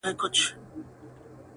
• میکده څه نن یې پیر را سره خاندي..